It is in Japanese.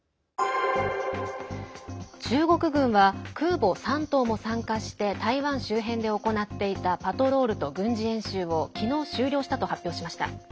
中国軍は空母「山東」も参加して台湾周辺で行っていたパトロールと軍事演習を昨日、終了したと発表しました。